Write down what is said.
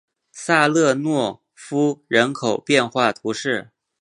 萨勒诺夫人口变化图示